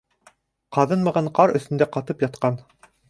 Ҡаҙынмаған ҡар өҫтөндә ҡатып ятҡан.